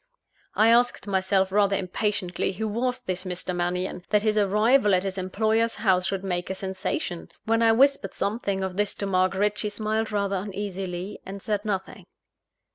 I asked myself rather impatiently, who was this Mr. Mannion, that his arrival at his employer's house should make a sensation? When I whispered something of this to Margaret, she smiled rather uneasily, and said nothing.